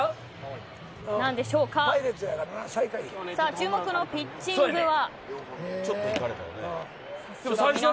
注目のピッチングは。